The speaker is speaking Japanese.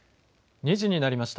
２時になりました。